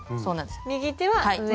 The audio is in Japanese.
右手は上。